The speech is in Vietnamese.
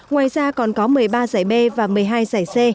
ngoài ra còn có một mươi ba giải b và một mươi hai giải c